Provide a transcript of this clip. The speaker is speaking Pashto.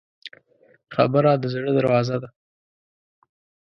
خبره د زړه دروازه ده.